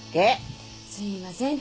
すいません。